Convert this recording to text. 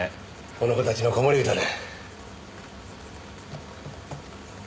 この子たちの子守唄だ。